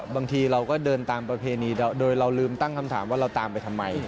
บางทีเราก็เดินตามประเพณีโดยเราลืมตั้งคำถามว่าเราตามไปทำไม